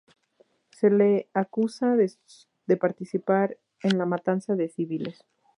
Se le acusa de participar en la matanza de civiles.